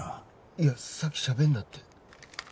いやさっきしゃべんなって。